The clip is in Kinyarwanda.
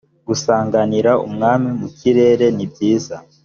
gusanganira umwami mu kirere nibyiza